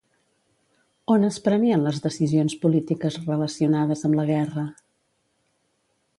On es prenien les decisions polítiques relacionades amb la guerra?